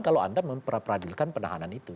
kalau anda memperadilkan penahanan itu